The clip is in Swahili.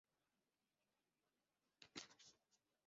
Huyu ndiyo Samia Suluhu Hassan mwenye haiba ya ukimya